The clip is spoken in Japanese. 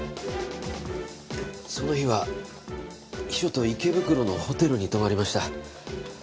その日は秘書と池袋のホテルに泊まりました。